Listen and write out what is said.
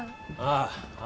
ああ。